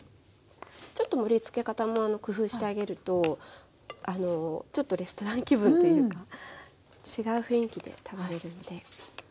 ちょっと盛りつけ方も工夫してあげるとちょっとレストラン気分というか違う雰囲気で食べれるんで。